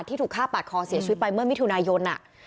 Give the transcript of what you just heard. ถูกฆ่าปาดคอเสียชีวิตไปเมื่อมิถุนายน